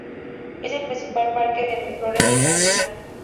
Es el principal parque de Miraflores en Lima.